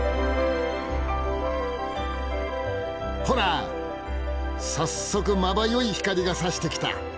ほら早速まばゆい光がさしてきた。